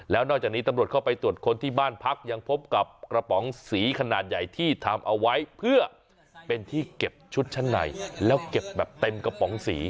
แล้วนอกจากนี้ตำรวจเข้าไปตรวจค้นที่บ้านพักยังพบกับกระป๋องสีขนาดใหญ่ที่ทำเอาไว้เพื่อเป็นที่เก็บชุดชั้นในแล้วเก็บแบบเต็มกระป๋องสี